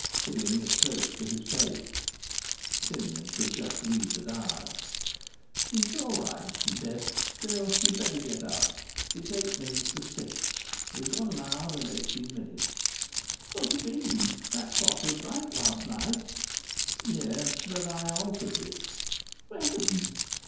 Putting it close to his face, Simeon could just read the dial. "It's all right," he said. "Still, you'd better get up. It's eight minutes to six. We've got an hour and eighteen minutes." "What do you mean? That clock was right last night." "Yes. But I altered it." "When?"